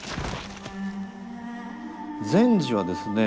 善児はですね